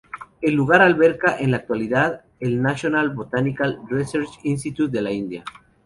El lugar alberga en la actualidad el National Botanical Research Institute de la India.